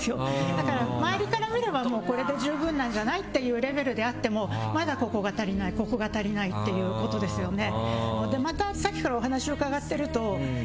だから周りから見ればこれで十分なんじゃないっていうレベルであってもまだここが足りない、ここが足りないっていうことですよね。